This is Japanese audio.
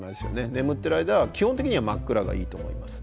眠ってる間は基本的には真っ暗がいいと思います。